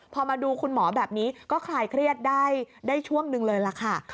พอมาดูคุณหมอแบบนี้ก็คลายเครียดได้ช่วงหนึ่งเลยล่ะค่ะ